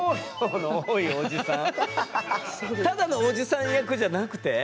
ただのおじさん役じゃなくて？